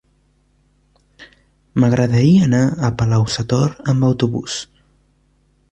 M'agradaria anar a Palau-sator amb autobús.